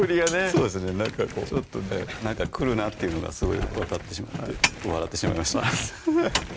そうですねなんかこうなんか来るなっていうのがすごい分かってしまって笑ってしまいましたね